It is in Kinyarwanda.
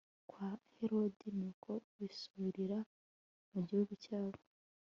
kwa herodi nuko bisubirira mu gihugu cyabo